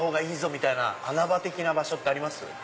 みたいな穴場的な場所ってあります？